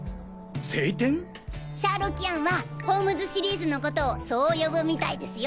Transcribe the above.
シャーロキアンはホームズシリーズのことをそう呼ぶみたいですよ。